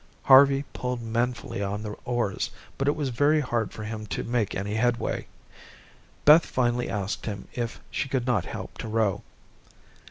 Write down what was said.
Harvey pulled manfully on the oars, but it was very hard for him to make any headway. Beth finally asked if she could not help to row.